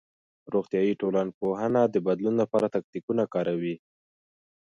روغتيائي ټولنپوهنه د بدلون لپاره تکتيکونه کاروي.